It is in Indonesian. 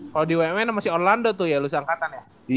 kalo di wmn sama si orlando tuh ya lu si angkatan ya